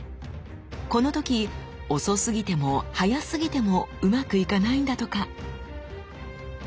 この時遅すぎても早すぎてもうまくいかないんだとか。